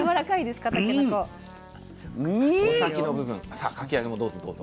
さあかき揚げもどうぞどうぞ。